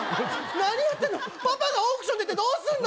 何やってんのパパがオークションに出てどうすんの・